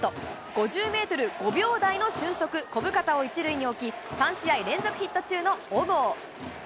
５０メートル５秒台の俊足、小深田を１塁に置き、３試合連続ヒット中の小郷。